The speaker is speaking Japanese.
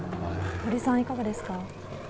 堀さん、いかがですか？